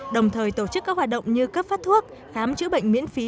đồng thời tổ chức các hoạt động như cấp phát thuốc khám chữa bệnh miễn phí